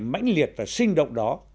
mãnh liệt và sinh động đó